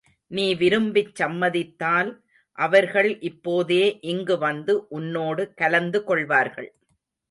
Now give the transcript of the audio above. நீ விரும்பிச் சம்மதித்தால் அவர்கள் இப்போதே இங்கு வந்து உன்னோடு கலந்து கொள்வார்கள்.